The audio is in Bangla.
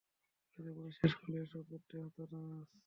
কলেজের পড়া শেষ করলে, এসব পড়তে হতো না আজ।